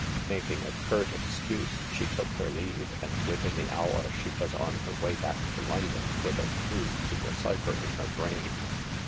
Making a curt ex cuse, she took her leave, and within the hour she was on her way back to London, with a clue to the cypher in her brain.